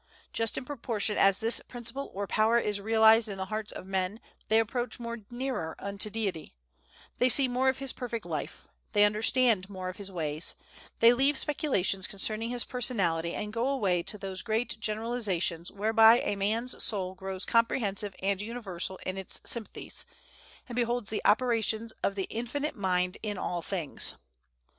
Just in proportion as this principle or power is realized in the hearts of men, they approach nearer unto Deity; they see more of his perfect life; they understand more of his ways; they leave speculations concerning his personality, and go away to those great generalizations whereby a man's soul grows comprehensive and universal in its sympathies, and beholds the operations of the Infinite mind in all things.